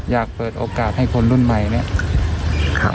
อยากเปิดโอกาสให้คนรุ่นใหม่เนี่ย